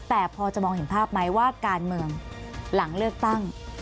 แต่พอจะมองเห็นภาพไหมว่าการเมืองหลังเลือกตั้ง